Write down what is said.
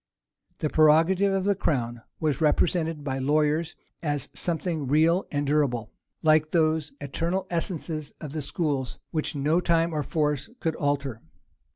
[*] The prerogative of the crown was represented by lawyers as something real and durable; like those eternal essences of the schools, which no time or force could alter.